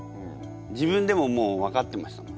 自分でももう分かってましたもん。